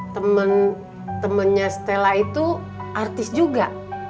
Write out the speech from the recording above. temen temennya stella itu artis juga